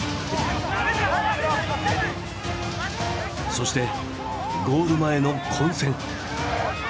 そしてゴール前の混戦。